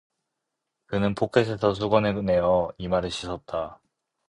그는 포켓에서 수건을 내어 이마를 씻었다.